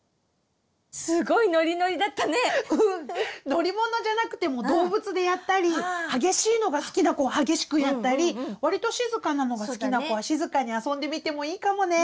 乗り物じゃなくても動物でやったり激しいのが好きな子は激しくやったりわりと静かなのが好きな子は静かに遊んでみてもいいかもね！